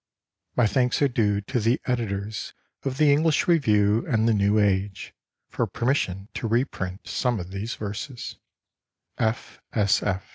My thanks are duo to the Editors of the English Review and the New Age for permission to reprint some of these verses.